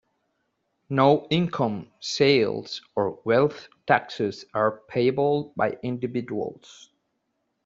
No income, sales, or wealth taxes are payable by individuals.